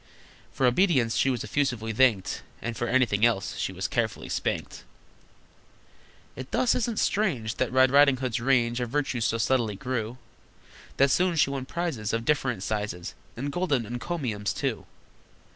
For obedience she was effusively thanked, And for anything else she was carefully spanked. It thus isn't strange That Red Riding Hood's range Of virtues so steadily grew, That soon she won prizes Of different sizes, And golden encomiums, too!